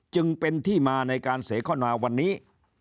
จึงเป็นที่มาในการเสคณาวันนี้